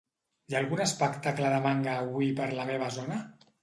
Hi ha algun espectacle de manga avui per la meva zona?